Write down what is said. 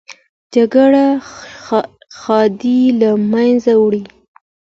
جګړه ښادي له منځه وړي